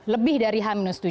lebih dari h tujuh